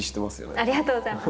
ありがとうございます。